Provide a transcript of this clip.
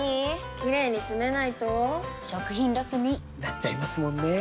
キレイにつめないと食品ロスに．．．なっちゃいますもんねー！